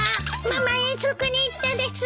ママ遠足に行ったです。